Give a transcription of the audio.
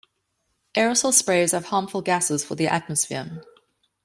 Aerosol sprays have harmful gases for the atmosphere.